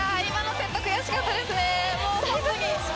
今のセット悔しかったですね。